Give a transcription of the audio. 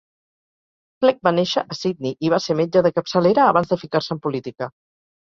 Flegg va néixer a Sydney i va ser metge de capçalera abans de ficar-se en política.